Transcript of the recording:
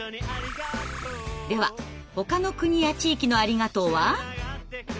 ではほかの国や地域の「ありがとう」は。